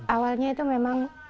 awalnya itu memang